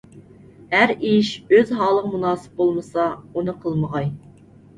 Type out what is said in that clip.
ھەر ئىش ئۆز ھالىغا مۇناسىپ بولمىسا، ئۇنى قىلمىغاي.